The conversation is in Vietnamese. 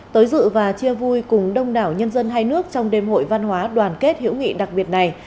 tới dự và chia vui cùng đông đảo nhân dân hai nước trong đêm hội văn hóa đoàn kết hữu nghị đặc biệt này